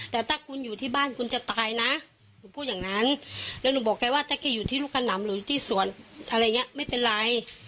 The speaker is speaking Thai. แต่ถ้าคุณอยู่ที่บ้านคุณจะตายนะหนูพูดอย่างนั้นแล้วหนูบอกแกว่าถ้าแกอยู่ที่ลูกขนำหนูอยู่ที่สวนอะไรอย่างนี้ไม่เป็นไร